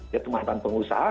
ya teman teman pengusaha